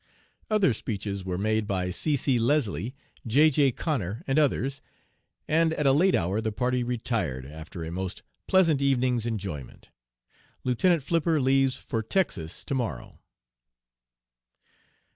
Other speeches were made by C. C. Leslie, J. J. Connor, and others, and at a late hour the party retired, after a most pleasant evening's enjoyment. Lieutenant Flipper leaves for Texas to morrow."